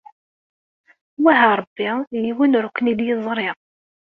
Wah a Ṛebbi yiwen ur kent-id-yeẓṛi.